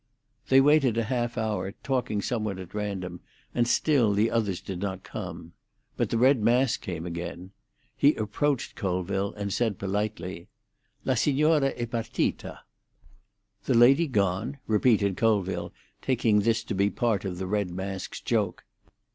They waited a half hour, talking somewhat at random, and still the others did not come. But the red mask came again. He approached Colville, and said politely— "La signora è partita." "The lady gone?" repeated Colville, taking this to be part of the red mask's joke.